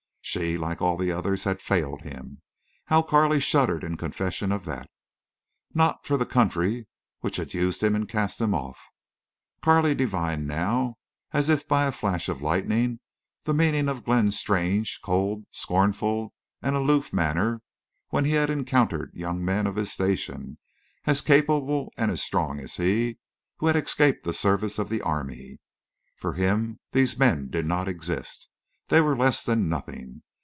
She like all the others had failed him. How Carley shuddered in confession of that! Not for the country which had used him and cast him off! Carley divined now, as if by a flash of lightning, the meaning of Glenn's strange, cold, scornful, and aloof manner when he had encountered young men of his station, as capable and as strong as he, who had escaped the service of the army. For him these men did not exist. They were less than nothing.